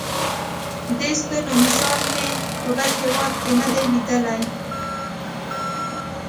دې ستنو مثال مې په بل هېواد کې نه دی لیدلی.